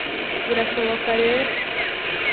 birashoboka rero